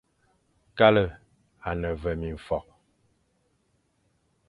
Kale à ne ve mimfokh,